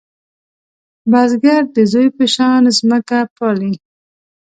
بزګر د زوی په شان ځمکه پالې